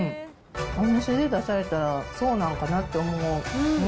お店で出されたら、そうなんかなって思う。